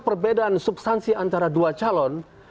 perbedaan substansi antara dua calon